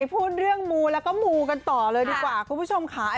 ให้พูดเรื่องหมูและมูต่อเลยดีกว่าคุณผู้ชมค่ะ